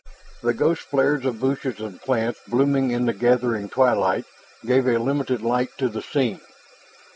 The ghost flares of bushes and plants blooming in the gathering twilight gave a limited light to the scene.